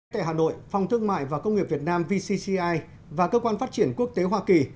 tại hà nội phòng thương mại và công nghiệp việt nam vcci và cơ quan phát triển quốc tế hoa kỳ